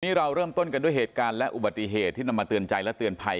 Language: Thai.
เราเริ่มต้นกันด้วยเหตุการณ์และอุบัติเหตุที่นำมาเตือนใจและเตือนภัย